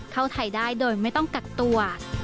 เข้าไทยได้โดยไม่ต้องกักตัว